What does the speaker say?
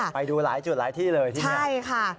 ไปดูหลายจุดหลายที่เลยที่นี่ใช่ค่ะ